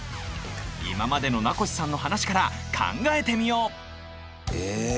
今までの名越さんの話から考えてみようえ！